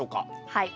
はい。